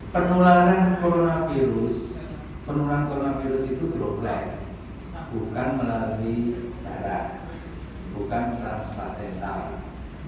penularan coronavirus penularan coronavirus itu droplet bukan melalui darah bukan transplacental